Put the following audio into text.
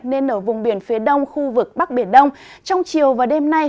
nên ở vùng biển phía đông khu vực bắc biển đông trong chiều và đêm nay